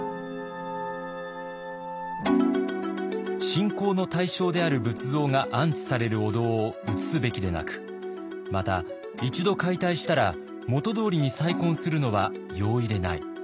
信仰の対象である仏像が安置されるお堂を移すべきでなくまた一度解体したら元どおりに再建するのは容易でない。